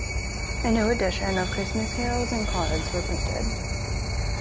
A new edition of Christmas carols and cards were printed.